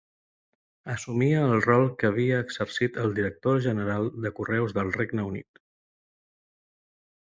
Assumia el rol que havia exercit el Director General de Correus del Regne Unit.